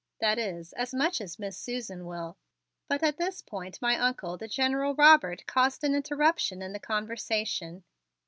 "That is, as much as Miss Susan will " But at this point my Uncle, the General Robert, caused an interruption in the conversation.